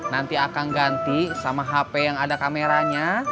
nanti akan ganti sama hp yang ada kameranya